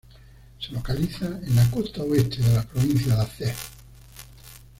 Se localiza en la costa oeste de la provincia de Aceh.